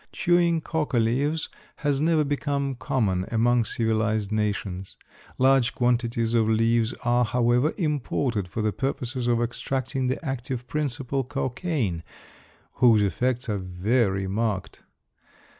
Chewing coca leaves has never become common among civilized nations. Large quantities of leaves are, however, imported for the purposes of extracting the active principle cocaine, whose effects are very marked.